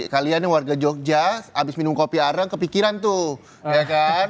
kalian warga jogja abis minum kopi areng kepikiran tuh